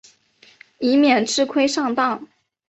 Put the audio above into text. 以免吃亏上当